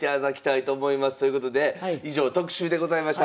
ということで以上特集でございました。